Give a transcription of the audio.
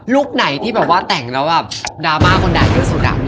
ลุคไหนที่แบบว่าแต่งแล้วแบบดราม่ากอนดาร์ยูซูกรัม